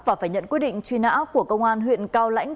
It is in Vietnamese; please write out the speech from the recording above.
và phải nhận quyết định truy nã của công an huyện cao lãnh